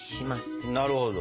なるほど。